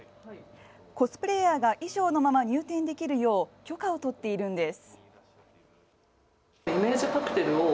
コスプレイヤーが衣装のまま入店できるよう許可を取っているんです。